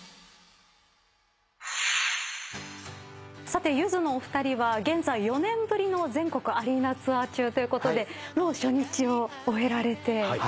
さてゆずのお二人は現在４年ぶりの全国アリーナツアー中ということで初日を終えられて。